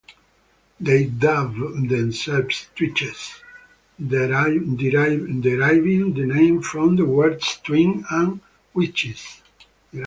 They dub themselves Twitches, deriving the name from the words twin and witches.